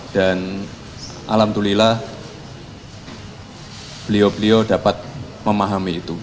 dan alhamdulillah beliau beliau dapat memahami itu